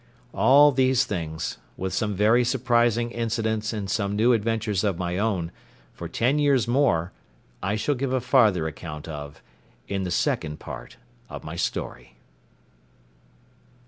All these things, with some very surprising incidents in some new adventures of my own, for ten years more, I shall give a farther account of in the Second Part of my Story.